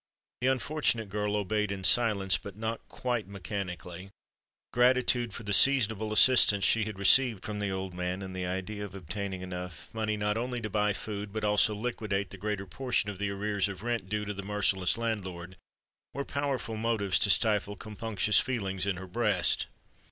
The unfortunate girl obeyed in silence; but not quite mechanically:—gratitude for the seasonable assistance she had received from the old man, and the idea of obtaining enough money not only to buy food but also liquidate the greater portion of the arrears of rent due to the merciless landlord, were powerful motives to stifle compunctious feelings in her breast.